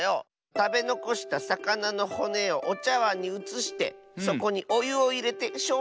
たべのこしたさかなのほねをおちゃわんにうつしてそこにおゆをいれてしょうゆをチョロっとたらすのじゃ。